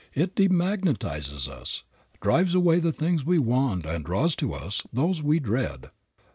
It demagnetizes us, drives away the things we want and draws to us those we dread.